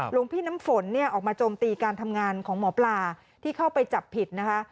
หลวงพี่น้ำฝนเนี่ยออกมาโจมตีการทำงานของหมอปลาที่เข้าไปจับผิดนะคะ